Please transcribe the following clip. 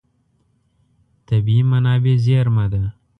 طبیعي منابع زېرمه ده.